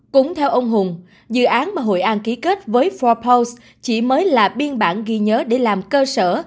cũng theo ông hùng dự án mà hội an ký kết với forboures chỉ mới là biên bản ghi nhớ để làm cơ sở